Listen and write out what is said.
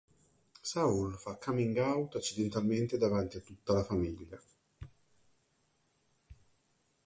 Saul fa coming out accidentalmente davanti a tutta la famiglia.